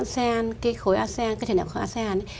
cái khối asean cái trường đạo khối asean